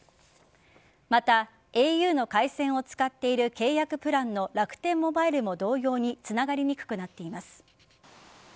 また、ａｕの回線を使っている契約プランの楽天モバイルも同様につながりにくくなっています。